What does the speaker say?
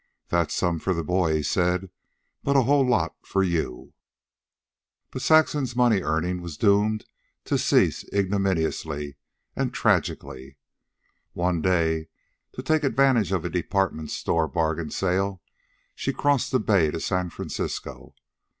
"That's some for the boy," he said, "but a whole lot for you." But Saxon's money earning was doomed to cease ignominiously and tragically. One day, to take advantage of a department store bargain sale, she crossed the bay to San Francisco.